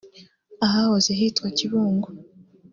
ahahoze hitwa Kibungo